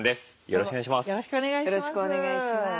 よろしくお願いします。